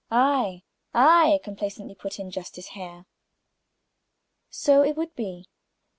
"Aye, aye," complacently put in Justice Hare. So it would be.